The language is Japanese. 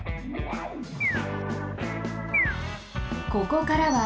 ここからは。